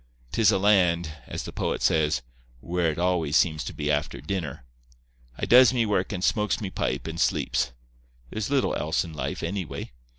'Tis a land, as the poet says, "Where it always seems to be after dinner." I does me work and smokes me pipe and sleeps. There's little else in life, anyway.